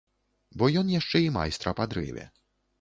Бо ён яшчэ і майстра па дрэве.